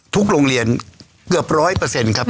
โรงเรียนเกือบร้อยเปอร์เซ็นต์ครับ